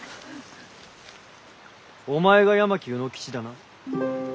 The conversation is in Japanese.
お前が八巻卯之吉だな？